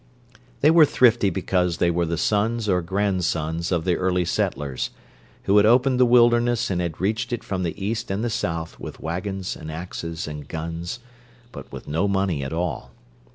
They were thrifty because they were the sons or grandsons of the "early settlers," who had opened the wilderness and had reached it from the East and the South with wagons and axes and guns, but with no money at all.